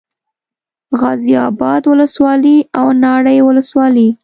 غازي اباد ولسوالي او ناړۍ ولسوالي